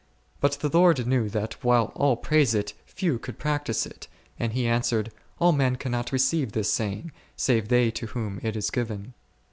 But the Lord knew that while all praise it, few could practise it, and He answered, All men cannot receive this saying, save they to whom it is given.